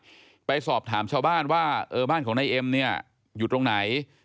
ค่อนข้างแออัดไปสอบถามชาวบ้านว่าเออบ้านของนายเอ็มเนี่ยอยู่ตรงไหน